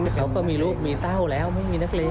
เขาก็มีลูกต้าวแล้วไม่มีนักเรียน